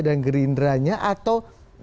dan gerindranya atau